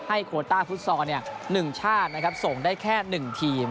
ให้โต๊ะฟุตซาว๑ชาติส่งได้แค่๑ทีม